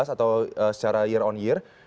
atau secara year on year